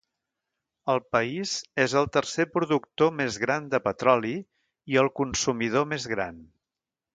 El país és el tercer productor més gran de petroli, i el consumidor més gran.